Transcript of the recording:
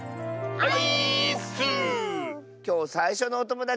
はい。